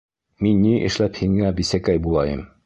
Мин ни эшләп һиңә бисәкәй булайым?